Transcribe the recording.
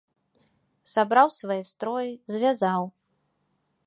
Сабраў свае строі, звязаў.